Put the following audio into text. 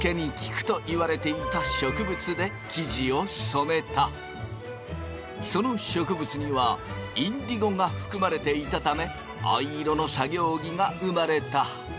そこでその植物にはインディゴが含まれていたため藍色の作業着が生まれた。